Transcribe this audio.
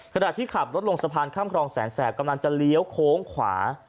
ขณะที่ขับรถลงสะพานข้ามครองแสนแสบกำลังจะเลี้ยวโค้งขวา